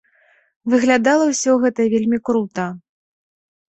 Выглядала ўсё гэта вельмі крута.